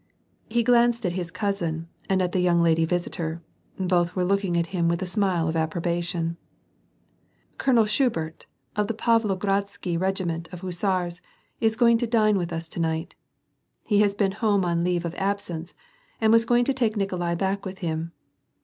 He glanced at his cousin and at the young lady visitor, both were looking at him with k smile of approbation. " Ck>lonel Schubert of the Pavlogradsky regiment of hussars is going to dine with us to night. He has been home on 4eave of absence, and is going to take Nikolai back with him.